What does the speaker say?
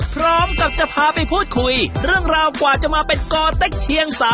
พร้อมกับจะพาไปพูดคุยเรื่องราวกว่าจะมาเป็นกเต็กเชียง๓